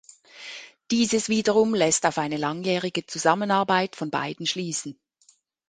Dieses wiederum lässt auf eine langjährige Zusammenarbeit von beiden schließen.